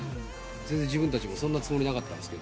全然自分たちもそんなつもりなかったんすけど。